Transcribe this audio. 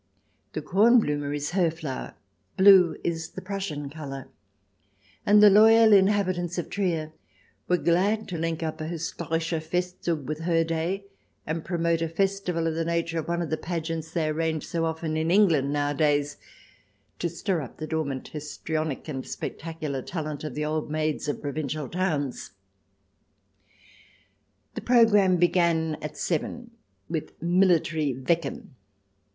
The Kornblume is her flower — blue is the Prussian colour — and the loyal inhabitants of Trier were glad to link up a His torische Festzug with her day, and promote a festival of the nature of one of the Pageants they arrange so often in England nowadays to stir up the dormant histrionic and spectacular talent of the old maids of provincial towns. The programme began at seven, with Military Wecken.